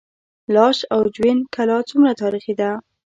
لاش او جوین کلا څومره تاریخي ده؟